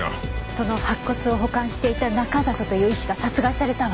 その白骨を保管していた中里という医師が殺害されたわ。